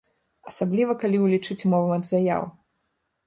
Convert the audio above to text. Асабліва калі ўлічыць момант заяў.